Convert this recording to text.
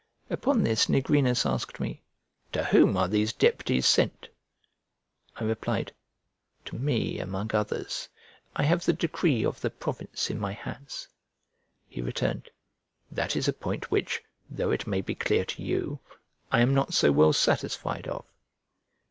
Upon this Nigrinus asked me, "To whom are these deputies sent?" I replied, "To me among others; I have the decree of the province in my hands." He returned, "That is a point which, though it may be clear to you, I am not so well satisfied of."